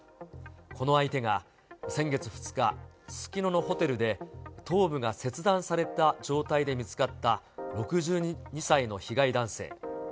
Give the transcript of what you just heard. この相手が、先月２日、すすきののホテルで頭部が切断された状態で見つかった６２歳の被害男性。